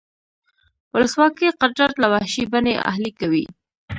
ولسواکي قدرت له وحشي بڼې اهلي کوي.